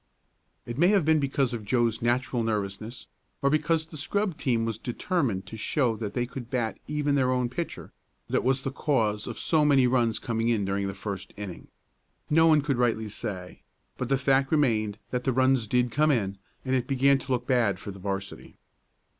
It may have been because of Joe's natural nervousness, or because the scrub team was determined to show that they could bat even their own pitcher, that was the cause of so many runs coming in during the first inning. No one could rightly say, but the fact remained that the runs did come in, and it began to look bad for the 'varsity.